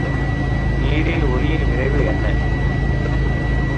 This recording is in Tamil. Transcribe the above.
நீரில் ஒலியின் விரைவு என்ன?